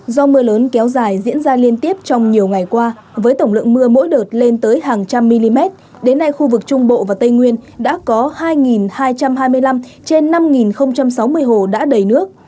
do mưa lớn kéo dài diễn ra liên tiếp trong nhiều ngày qua với tổng lượng mưa mỗi đợt lên tới hàng trăm mm đến nay khu vực trung bộ và tây nguyên đã có hai hai trăm hai mươi năm trên năm sáu mươi hồ đã đầy nước